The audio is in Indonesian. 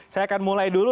saya akan mulai dulu